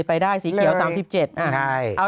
ไปได้สีเขียว๓๗